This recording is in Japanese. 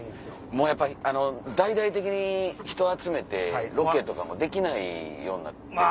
もうやっぱ大々的に人集めてロケとかもできないようになってるから。